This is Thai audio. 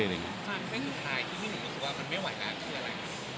สงสัยที่ไม่หวัดแรงคืออะไร